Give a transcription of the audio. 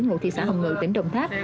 ngụ thị xã hồng ngự tỉnh đồng tháp